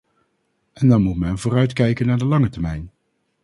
En dan moet men vooruit kijken naar de lange termijn.